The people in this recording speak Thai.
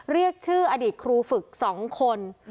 เรียกชื่ออดีตครูฝึก๒คน